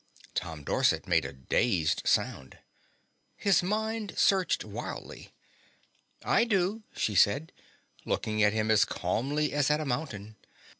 Tom Dorset made a dazed sound. His mind searched wildly. "I do," she said, looking at him as calmly as at a mountain.